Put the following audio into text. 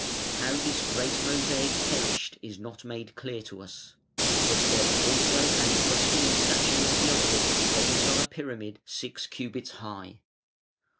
How this great mosaic perished is not made clear to us. But there was also an equestrian statue of Theodoric raised on a pyramid six cubits high.